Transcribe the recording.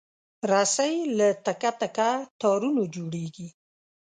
رسۍ له تکه تکه تارونو جوړېږي.